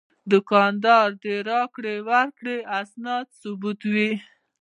دوکاندار د راکړې ورکړې اسناد ثبتوي.